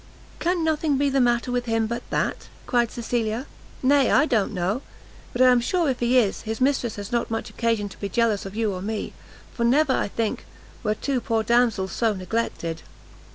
"Can nothing be the matter with him but that?" cried Cecilia. "Nay, I don't know; but I am sure if he is, his Mistress has not much occasion to be jealous of you or me, for never, I think, were two poor Damsels so neglected!"